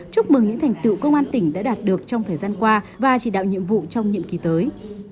chúc mừng những thành tựu công an tỉnh đã đạt được trong thời gian qua và chỉ đạo nhiệm vụ trong nhiệm kỳ tới